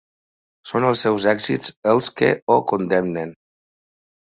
Són els seus èxits els que ho condemnen.